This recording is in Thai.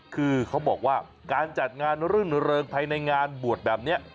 คือเขาบอกว่าการจัดงานรื่นเริงภายในงานบวชแบบนี้